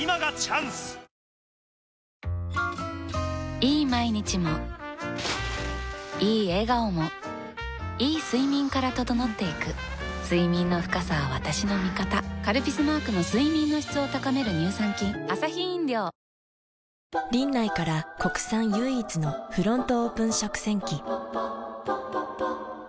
いい毎日もいい笑顔もいい睡眠から整っていく睡眠の深さは私の味方「カルピス」マークの睡眠の質を高める乳酸菌かさつきカバーにまさかのファンデ。